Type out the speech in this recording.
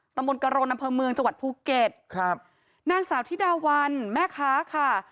ตะบนกะโรนอำเภอเมืองจังหวัดภูเก็ตนางสาวธิดาวันแม่คะค่ะ